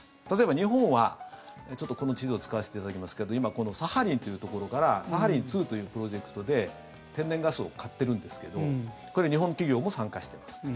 例えば、日本はちょっとこの地図を使わせていただきますけど今このサハリンというところからサハリン２というプロジェクトで天然ガスを買ってるんですけどこれ、日本の企業も参加しています。